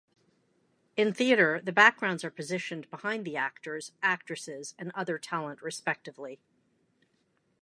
In theatre the backgrounds are positioned behind the actors, actresses, and other talent respectively.